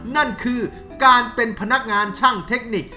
นั่นคือการเป็นพนักงานช่างเทคนิค